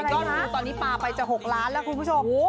ก็รู้ตอนนี้ปลาไปจะ๖ล้านแล้วคุณผู้ชม